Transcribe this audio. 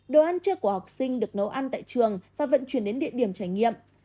đồ ăn trưa của học sinh được nấu ăn tại trường và vận chuyển đến địa điểm trải nghiệm